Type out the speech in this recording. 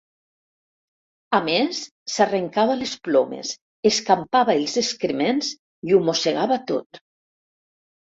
A més s'arrencava les plomes, escampava els excrements i ho mossegava tot.